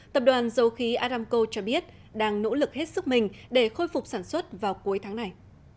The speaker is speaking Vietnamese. tập đoàn dầu khí aramco cho biết đang nỗ lực hết sức mình để khôi phục sản xuất vào cuối tháng này